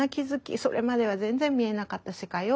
それまでは全然見えなかった世界を。